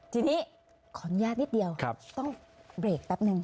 ทีนี้ขออนุญาตนิดเดียวต้องเบรกแป๊บนึง